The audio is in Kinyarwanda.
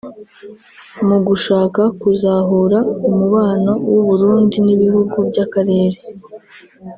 Mu gushaka kuzahura umubano w’u Burundi n’ ibihugu by’akarere